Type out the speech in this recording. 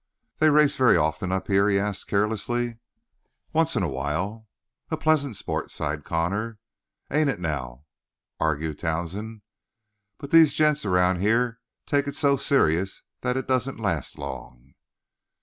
"They race very often up here?" he asked carelessly. "Once in a while." "A pleasant sport," sighed Connor. "Ain't it, now?" argued Townsend. "But these gents around here take it so serious that it don't last long."